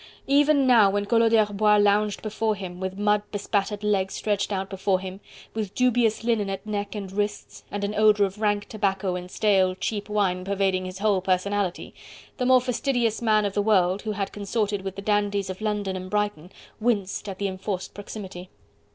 Even now when Collot d'Herbois lounged before him, with mud bespattered legs stretched out before him, with dubious linen at neck and wrists, and an odour of rank tobacco and stale, cheap wine pervading his whole personality, the more fastidious man of the world, who had consorted with the dandies of London and Brighton, winced at the enforced proximity.